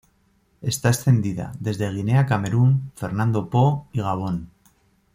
Está extendida desde Guinea a Camerún, Fernando Po, y Gabón.